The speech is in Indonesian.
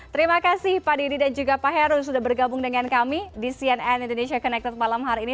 terima kasih pak didi dan juga pak heru sudah bergabung dengan kami di cnn indonesia connected malam hari ini